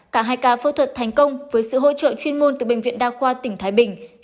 cả hai ca phẫu thuật thành công với sự hỗ trợ chuyên môn từ bệnh viện đa khoa tỉnh thái bình